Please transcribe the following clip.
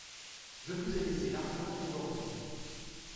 Je vous ai laissé largement déborder.